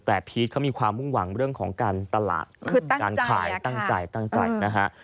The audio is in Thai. แต่พีชเขามีความมุ่งหวังเรื่องของการตลาดการขายตั้งใจตั้งใจนะฮะ